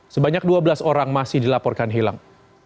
sebanyak dua belas orang masih dilaporkan hilang